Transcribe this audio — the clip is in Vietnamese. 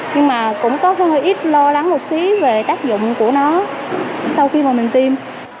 nhưng mà cũng tốt hơn ít lo lắng một xí về tác dụng của nó sau khi mà mình tiêm